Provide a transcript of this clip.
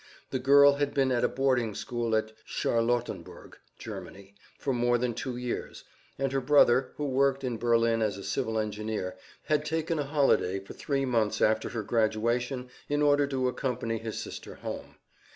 The girl had been at a boarding school at Charlottenburg (Germany) for more than two years, and her brother, who worked in Berlin as a civil engineer, had taken a holiday for three months after her graduation in order to accompany his sister home.